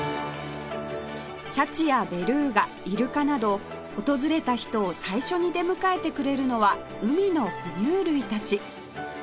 シャチやベルーガイルカなど訪れた人を最初に出迎えてくれるのは海の哺乳類たち